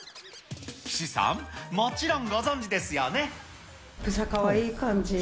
岸さん、もちろんご存じですよね。